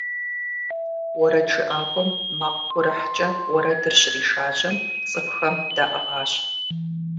УэрэджыӀакӀуэм макъ гурыхькӀэ уэрэдыр щришажьэм, цӏыхухэм даӏыгъащ.